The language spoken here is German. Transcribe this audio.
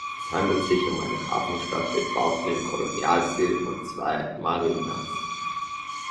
Es handelt sich um eine Hafenstadt mit Bauten im Kolonialstil und zwei Marinas.